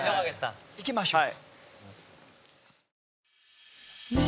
行きましょう！